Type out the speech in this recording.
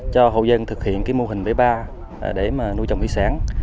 cho hộ dân thực hiện mô hình bảy ba để nuôi trồng thủy sản